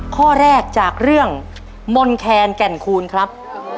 ข้อแรกจากเรื่องมนแคนแก่นคูณครับ